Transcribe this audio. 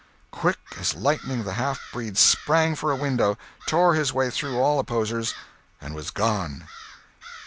Quick as lightning the halfbreed sprang for a window, tore his way through all opposers, and was gone!